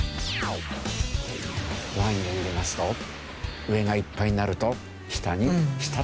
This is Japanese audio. ワインを入れますと上がいっぱいになると下に滴り落ちていく。